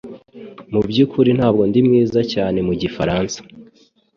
Mubyukuri ntabwo ndi mwiza cyane mu gifaransa